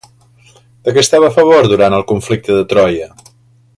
De què estava a favor durant el conflicte de Troia?